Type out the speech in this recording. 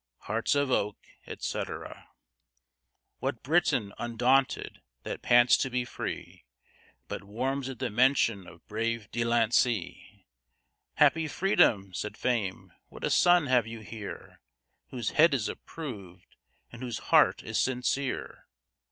Hearts of oak, etc. What Briton, undaunted, that pants to be free, But warms at the mention of brave De Launcey? "Happy Freedom!" said Fame, "what a son have you here! Whose head is approved, and whose heart is sincere."